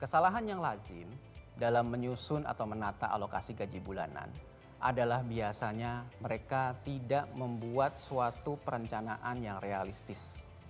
kesalahan yang lazim dalam menyusun atau menata alokasi gaji bulanan adalah biasanya mereka tidak membuat suatu perencanaan yang realistis